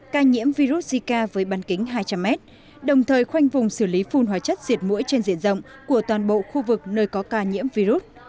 ca nhiễm virus zika với bán kính hai trăm linh m đồng thời khoanh vùng xử lý phun hóa chất diệt mũi trên diện rộng của toàn bộ khu vực nơi có ca nhiễm virus